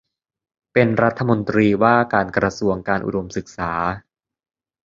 เป็นรัฐมนตรีว่าการกระทรวงการอุดมศึกษา